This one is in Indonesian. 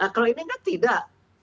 kalau ini nggak tidak